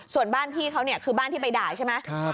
ส่วนบ้านพี่เขาเนี่ยคือบ้านที่ไปด่าใช่ไหม